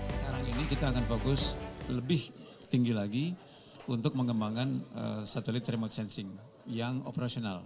sekarang ini kita akan fokus lebih tinggi lagi untuk mengembangkan satelit remote sensing yang operasional